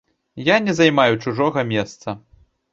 Я не займаю чужога месца.